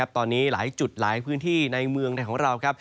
ตอนนี้หลายจุดหลายพื้นที่ในเมืองไทยของเราครับ